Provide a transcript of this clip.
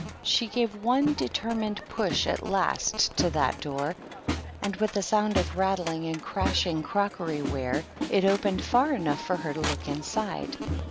She gave one de termined push at last to that door, and, with a sound of rattling and crashing crockery ware, it opened far enough for her to look inside.